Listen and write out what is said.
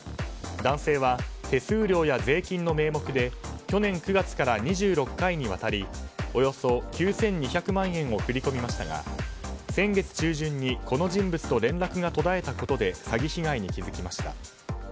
男性は手数料や税金の名目で去年９月から２６回にわたりおよそ９２００万円を振り込みましたが先月中旬にこの人物と連絡が途絶えたことで詐欺被害に気づきました。